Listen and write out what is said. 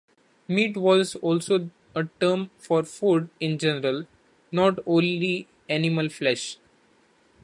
Meat was also a term for food in general, not only animal flesh.